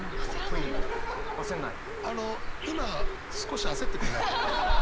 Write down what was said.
あの今少し焦ってくんないかな？